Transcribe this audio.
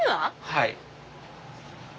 はい。